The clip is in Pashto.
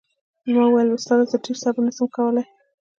ما وويل استاده زه ډېر صبر نه سم کولاى.